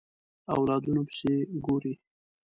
اولادونو پسې ګوري